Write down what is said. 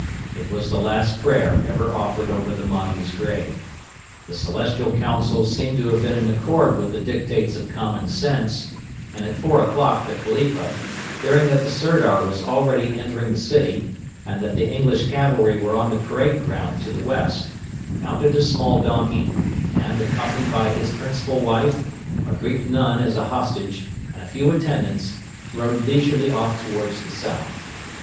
It was the last prayer ever offered over the Mahdi's grave. The celestial counsels seem to have been in accord with the dictates of common sense, and at four o'clock the Khalifa, hearing that the Sirdar was already entering the city, and that the English cavalry were on the parade ground to the west, mounted a small donkey, and, accompanied by his principal wife, a Greek nun as a hostage, and a few attendants, rode leisurely off towards the south.